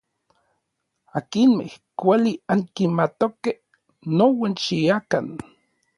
Akinmej kuali ankimatokej, nouan xiakan.